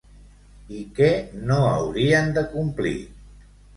I què no haurien d'acomplir?